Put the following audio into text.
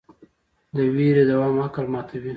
د ویرې دوام عقل ماتوي.